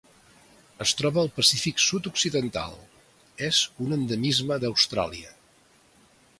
Es troba al Pacífic sud-occidental: és un endemisme d'Austràlia.